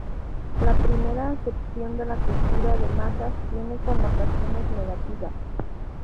La primera acepción de la cultura de masas tiene connotaciones negativas.